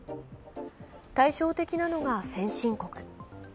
対照的なのが先進国。